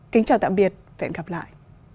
kính chào tạm biệt hẹn gặp lại